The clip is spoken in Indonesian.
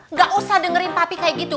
nggak usah dengerin papi kayak gitu